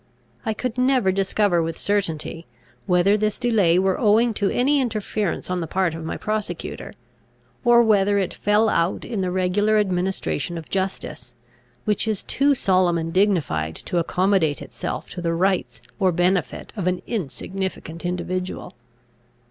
I could never discover with certainty, whether this delay were owing to any interference on the part of my prosecutor, or whether it fell out in the regular administration of justice, which is too solemn and dignified to accommodate itself to the rights or benefit of an insignificant individual.